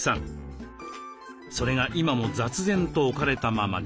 それが今も雑然と置かれたままに。